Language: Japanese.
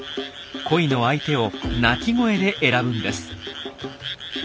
恋の相手を鳴き声で選ぶんです。